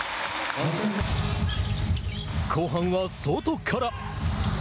後半は外から。